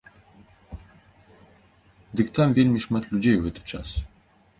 Дык там вельмі шмат людзей у гэты час.